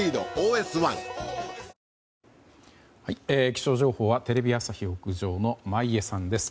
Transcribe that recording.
気象情報はテレビ朝日屋上の眞家さんです。